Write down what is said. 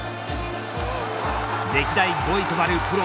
歴代５位となるプロ